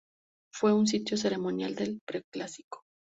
Fue un sitio ceremonial del preclásico.